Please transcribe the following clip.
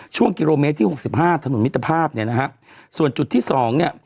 ช่วงกิโลเมตรที่๖๕ถนนมิตรภาพส่วนจุดที่๒เนี่ย